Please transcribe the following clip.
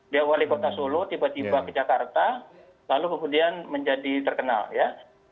dia wali kota solo tiba tiba ke jakarta lalu kemudian menjadi terkenal ya